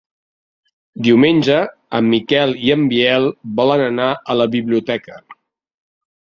Diumenge en Miquel i en Biel volen anar a la biblioteca.